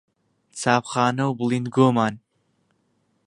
چاپخانە و بڵیندگۆمان